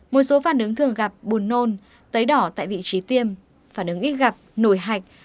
một số phản ứng thường gặp bùn nôn tấy đỏ tại vị trí tiêm phản ứng ít gặp nổi hạch